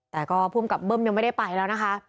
แต่ก็ภูมิกับเบิ้มยังไม่ได้ไปแล้วนะคะ